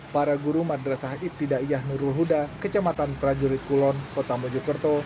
para guru madrasah ibtidaiyah nurul huda kecamatan prajurit kulon kota mojokerto